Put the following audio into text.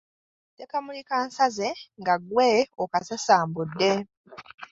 Ssekamuli kansaze, nga ggwe okasasambudde.